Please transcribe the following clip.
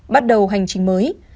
bắt đầu hành trình mới